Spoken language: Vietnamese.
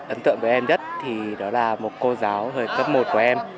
ấn tượng với em nhất thì đó là một cô giáo hồi cấp một của em